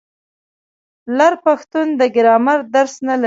لر پښتون د ګرامر درس نه لري.